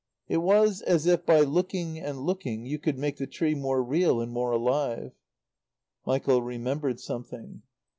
It was as if by looking and looking you could make the tree more real and more alive." Michael remembered something.